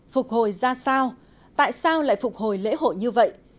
phục hồi ra sao tại sao lại phục hồi lễ hội như vậy